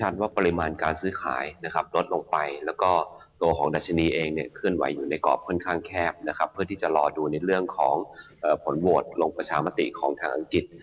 แต่ตลอดูในเรื่องของผลโหลดลงประชามติของทางอังกฤษ